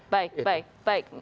baik baik baik